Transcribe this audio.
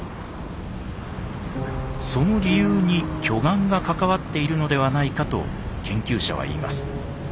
その理由に巨岩が関わっているのではないかと研究者はいいます。